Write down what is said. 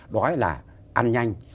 đó là ăn nhanh